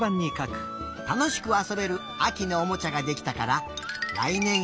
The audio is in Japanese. たのしくあそべるあきのおもちゃができたかららいねん